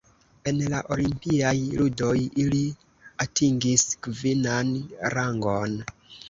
En la Olimpiaj ludoj ili atingis kvinan rangon.